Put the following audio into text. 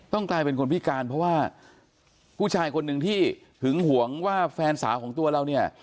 กลายเป็นคนพิการเพราะว่าผู้ชายคนหนึ่งที่หึงหวงว่าแฟนสาวของตัวเราเนี่ย